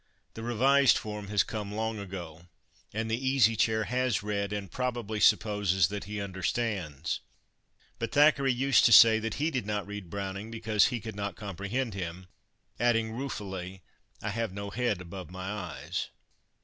The revised form has come long ago, and the Easy Chair has read, and probably supposes that he understands. But Thackeray used to say that he did not read Browning because he could not comprehend him, adding, ruefully, "I have no head above my eyes."